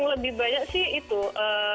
kas arab atau kas india gitu ya